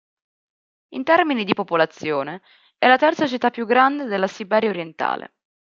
In termini di popolazione, è la terza città più grande della Siberia orientale.